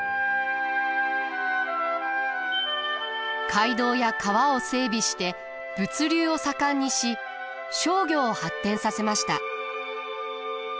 街道や川を整備して物流を盛んにし商業を発展させました。